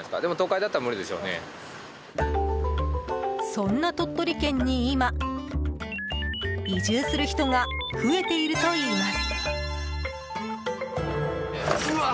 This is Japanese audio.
そんな鳥取県に、今移住する人が増えているといいます。